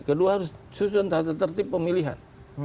kedua harus susun tata tertib pemilihan